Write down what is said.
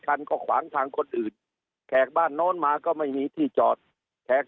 คันก็ขวางทางคนอื่นแขกบ้านโน้นมาก็ไม่มีที่จอดแขก